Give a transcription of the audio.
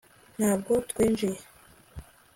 Ntabwo twinjiye